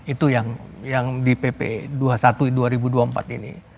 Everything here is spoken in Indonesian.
itu yang di pp dua puluh satu dua ribu dua puluh empat ini